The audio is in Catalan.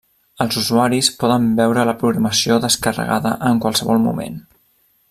Els usuaris poden veure la programació descarregada en qualsevol moment.